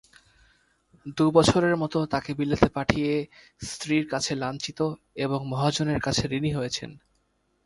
দু-বছরের মতো তাঁকে বিলেতে পাঠিয়ে স্ত্রীর কাছে লাঞ্ছিত এবং মহাজনের কাছে ঋণী হয়েছেন।